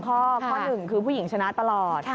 ข้อข้อหนึ่งคือผู้หญิงชนะตลอด